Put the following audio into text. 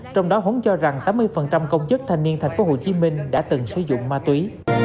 trong đó hốn cho rằng tám mươi công chức thành niên tp hcm đã từng sử dụng ma túy